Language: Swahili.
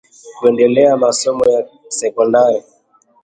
kuendelea na masomo ya sekondari